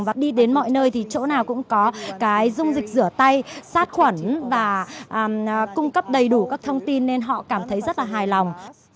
và đi đến mọi nơi thì chỗ nào cũng có cái dung dịch rửa tay sát khuẩn và cung cấp đầy đủ các thông tin nên họ cảm thấy rất là hài lòng